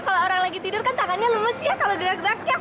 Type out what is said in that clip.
kalau orang lagi tidur kan tangannya lemes ya kalau gerak gerak ya